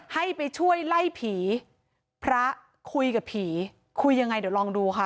ให้ไปช่วยไล่ผีพระคุยกับผีคุยยังไงเดี๋ยวลองดูค่ะ